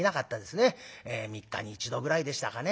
３日に１度ぐらいでしたかね。